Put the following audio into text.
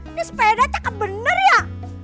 ini sepeda cakep bener ya